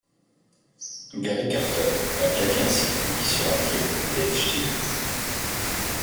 Gary Carter a claqué un circuit sur un tir de Dave Stieb.